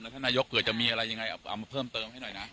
ท่านนายกเผื่อจะมีอะไรยังไงเอามาเพิ่มเติมให้หน่อยนะ